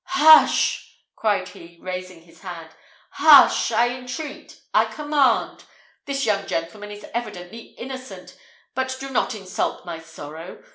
"Hush!" cried he, raising his hand, "Hush! I entreat I command! This young gentleman is evidently innocent; but do not insult my sorrow.